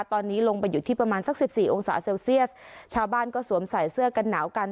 ตอนนี้ลงไปอยู่ที่ประมาณสักสิบสี่องศาเซลเซียสชาวบ้านก็สวมใส่เสื้อกันหนาวกัน